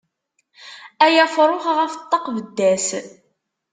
Ay afrux ɣef ṭṭaq bedd-as.